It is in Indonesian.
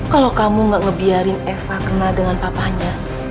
kalau kamu gak ngebiarin eva kena dengan papanya